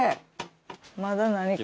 まだ何か。